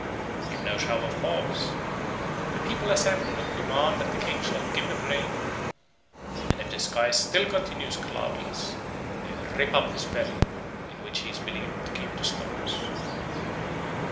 If no shower falls, the people assemble and demand that the king shall give them rain; and if the sky still continues cloudless, they rip up his belly, in which he is believed to keep the storms.